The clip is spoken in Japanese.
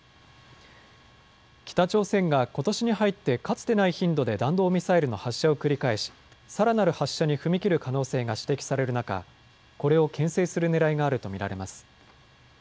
北朝鮮がことしに入ってかつてない頻度で弾道ミサイルの発射を繰り返しさらなる発射に踏み切る可能性が指摘される中、これをけん制するねらいがあると見られます。